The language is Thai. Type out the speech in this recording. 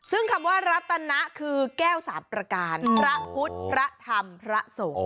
ซึ่งคำว่ารัตนะคือแก้วสามประการพระพุทธพระธรรมพระสงฆ์